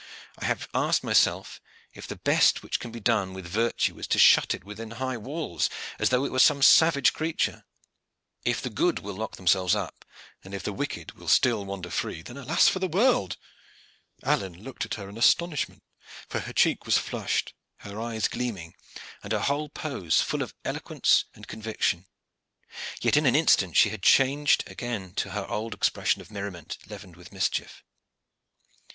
I have asked myself if the best which can be done with virtue is to shut it within high walls as though it were some savage creature. If the good will lock themselves up, and if the wicked will still wander free, then alas for the world!" Alleyne looked at her in astonishment, for her cheek was flushed, her eyes gleaming, and her whole pose full of eloquence and conviction. Yet in an instant she had changed again to her old expression of merriment leavened with mischief.